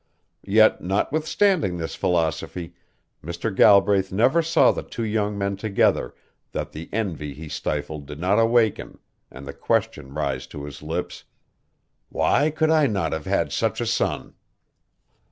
Yet notwithstanding this philosophy, Mr. Galbraith never saw the two young men together that the envy he stifled did not awaken, and the question rise to his lips: "Why could I not have had such a son?"